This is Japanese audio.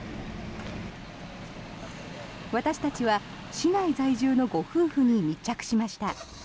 私たちは市内在住のご夫婦に密着しました。